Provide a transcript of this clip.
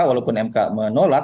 walaupun mk menolak